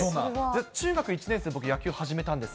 中学１年生のとき、野球を始めたんです。